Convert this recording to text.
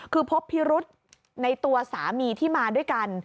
คือพบพิรุษในตัวสามีที่มาด้วยกัน